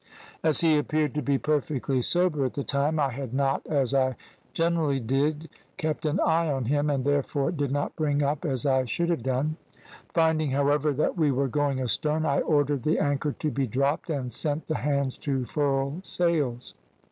"As he appeared to be perfectly sober at the time, I had not, as I generally did, kept an eye on him, and therefore did not bring up as I should have done. Finding, however, that we were going astern I ordered the anchor to be dropped, and sent the hands to furl sails.